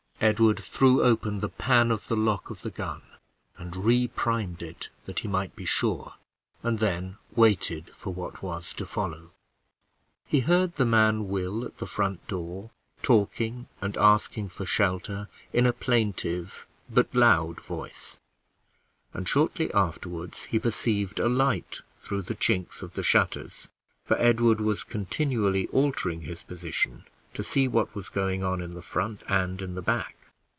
Edward threw open the pan of the lock of the gun, and reprimed it, that he might be sure, and then waited for what was to follow. He heard the man Will at the front door, talking and asking for shelter in a plaintive but loud voice; and shortly afterward he perceived a light through the chinks of the shutters for Edward was continually altering his position to see what was going on in the front and in the back.